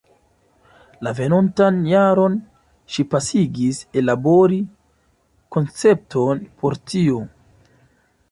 La venontan jaron ŝi pasigis ellabori koncepton por tio.